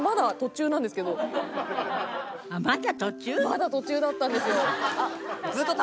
まだ途中だったんですよ。